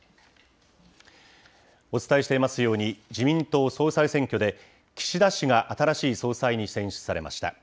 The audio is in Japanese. お伝えしていますように、自民党総裁選挙で、岸田氏が新しい総裁に選出されました。